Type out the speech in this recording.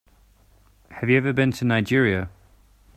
Have you ever been to Nigeria?